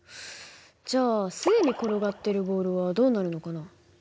じゃあ既に転がっているボールはどうなるのかな？